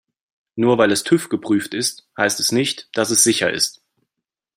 Nur weil es TÜV-geprüft ist, heißt es nicht, dass es sicher ist.